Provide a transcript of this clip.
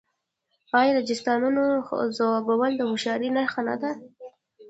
آیا د چیستانونو ځوابول د هوښیارۍ نښه نه ده؟